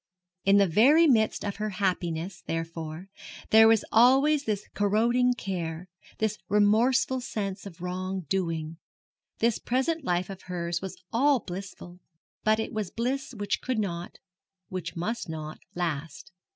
In the very midst of her happiness, therefore, there was always this corroding care, this remorseful sense of wrong doing. This present life of hers was all blissful, but it was bliss which could not, which must not, last.